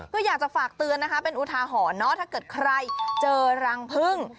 ก็อยากจะฝากเตือนนะคะเป็นอุทาหรณ์เนาะถ้าเกิดใครเจอรังพึ่ง